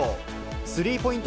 スリーポイント